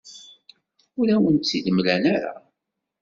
Ur awen-tt-id-mlan ara.